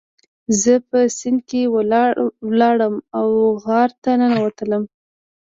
زه په سیند کې لاړم او غار ته ننوتلم.